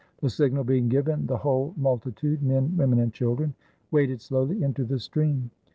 The signal being given, the whole mul titude, men, women, and children, waded slowly into the stream.